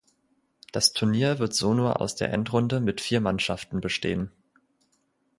Das Turnier wird so nur aus der Endrunde mit vier Mannschaften bestehen.